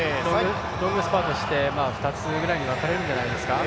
ロングスパートして、２つぐらいに分かれるんじゃないですか。